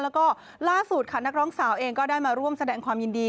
แล้วก็ล่าสุดค่ะนักร้องสาวเองก็ได้มาร่วมแสดงความยินดี